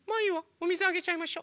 おみずあげちゃいましょ。